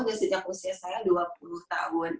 dan sejak usia saya dua puluh tahun